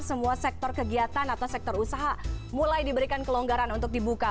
semua sektor kegiatan atau sektor usaha mulai diberikan kelonggaran untuk dibuka